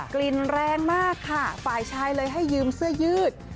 กลิ่นแรงมากค่ะฝ่ายชายเลยให้ยืมเสื้อยืด